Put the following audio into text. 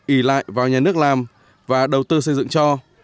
ỉ lại vào nhà nước làm và đầu tư xây dựng cho